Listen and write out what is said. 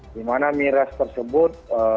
di mana miras tersebut